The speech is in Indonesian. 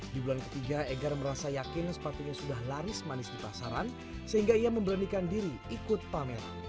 di bulan ketiga egar merasa yakin sepatunya sudah laris manis di pasaran sehingga ia memberanikan diri ikut pameran